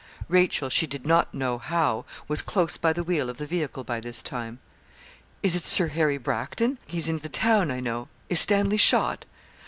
Rachel, she did not know how, was close by the wheel of the vehicle by this time. 'Is it Sir Harry Bracton? He's in the town, I know. Is Stanley shot?'